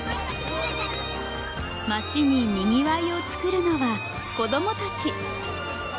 町ににぎわいを作るのは子どもたち。